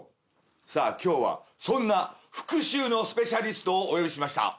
さあ今日はそんな復讐のスペシャリストをお呼びしました。